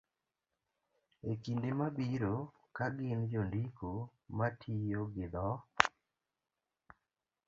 e kinde mabiro ka gin jondiko ma tiyo gi dho